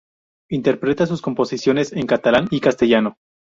Interpreta sus composiciones en catalán y castellano.